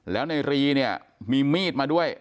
แล้วในรีเนี่ยมีมีดมาด้วย